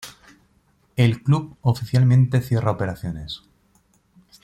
El el club oficialmente cierra operaciones.